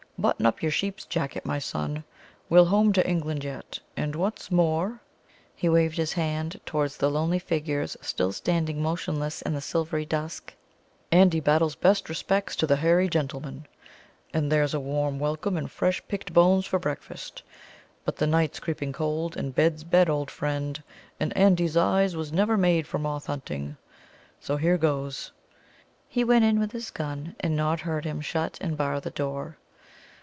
Button up your sheep's jacket, my son. We'll home to England yet. And, what's more" he waved his hand towards the lonely figures still standing motionless in the silvery dusk "Andy Battle's best respects to the hairy gentlemen, and there's a warm welcome and fresh picked bones for breakfast. But the night's creeping cold, and bed's bed, old friend, and Andy's eyes was never made for moth hunting. So here goes." He went in with his gun, and Nod heard him shut and bar the door.